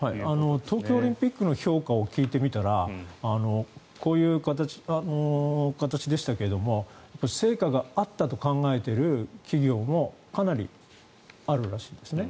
東京オリンピックの評価を聞いてみたらこういう形でしたけれど成果があったと考えている企業もかなりあるらしいんですね。